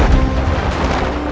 ada urusan apa kamu denganku